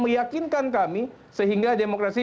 meyakinkan kami sehingga demokrasi